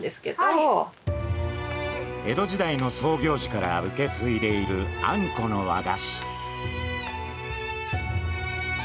江戸時代の創業時から受け継いでいるあんこの和菓子。